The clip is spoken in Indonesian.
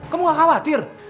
kamu gak khawatir